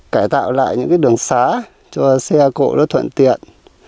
cải tạo lại những đường xá cho xe cộ thuận tiện